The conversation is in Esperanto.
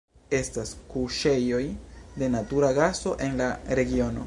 Estas kuŝejoj de natura gaso en la regiono.